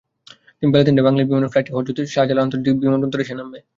বেলা তিনটায় বাংলাদেশ বিমানের ফ্লাইটটি হজরত শাহজালাল আন্তর্জাতিক বিমানবন্দরে এসে নামবে।